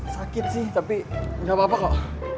sakit sih tapi nggak apa apa kok